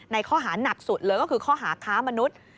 ในข้อหานักสุดก็คือข้อหาคะมนุษย์